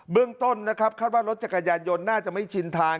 เรื่องต้นนะครับคาดว่ารถจักรยานยนต์น่าจะไม่ชินทาง